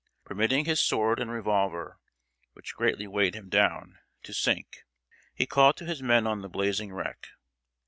Permitting his sword and revolver, which greatly weighed him down, to sink, he called to his men on the blazing wreck.